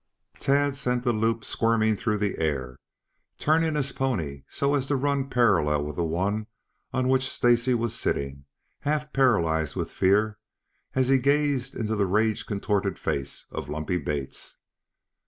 Tad sent the loop squirming through the air, turning his pony so as to run parallel with the one on which Stacy was sitting, half paralyzed with fear, as he gazed into the rage contorted face of Lumpy Bates.